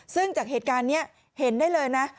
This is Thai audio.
ซึ่งจากเหตุการณ์นี้เห็นได้เลยนะ